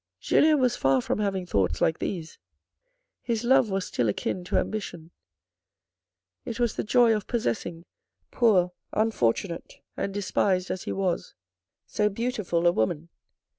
Julien was far from having thoughts like these. His love was still akin to ambition. It was the joy of possessing, poor, unfortunate and despised as he was, so beautiful a woman.